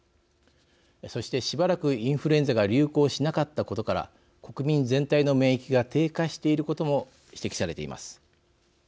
そして、しばらくインフルエンザが流行しなかったことから国民全体の免疫が低下していることも指摘されています。